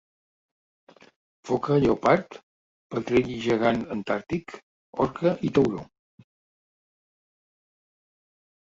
Foca lleopard, petrell gegant antàrtic, orca i tauró.